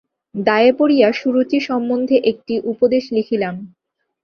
দায়ে পড়িয়া সুরুচি সম্বন্ধে একটি উপদেশ লিখিলাম।